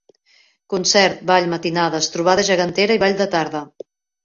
Concert, ball, matinades, trobada gegantera i ball de tarda.